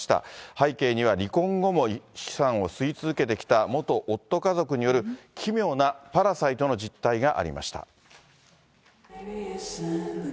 背景には離婚後も資産を吸い続けてきた元夫家族による、奇妙なパラサイトの実態がありました。